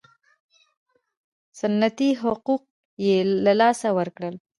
سنتي حقوق یې له لاسه ورکړل.